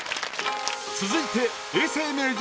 続いて永世名人